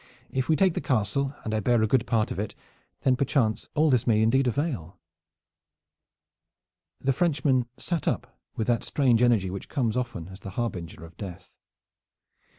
If we take the castle and I bear a good part in it, then perchance all this may indeed avail." The Frenchman sat up with that strange energy which comes often as the harbinger of death.